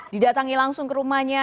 didatangi langsung ke rumahnya